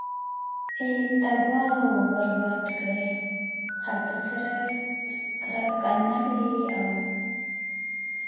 ئي تباه او برباد کړې!! هلته صرف کرکنړي او